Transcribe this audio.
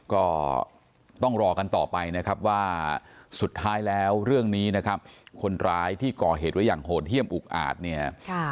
ก็ต้องรอกันต่อไปนะครับว่าสุดท้ายแล้วเรื่องนี้นะครับคนร้ายที่ก่อเหตุไว้อย่างโหดเยี่ยมอุกอาจเนี่ย